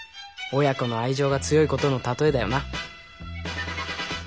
親子の愛情が強いことの例えだよな。